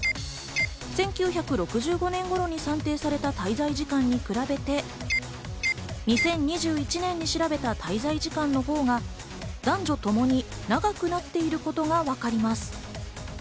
１９６５年頃に算定された滞在時間に比べて２０２１年に調べた滞在時間の方が男女ともに長くなっていることがわかります。